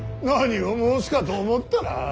何を申すかと思ったら。